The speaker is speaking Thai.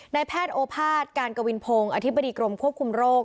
แพทย์โอภาษย์การกวินพงศ์อธิบดีกรมควบคุมโรค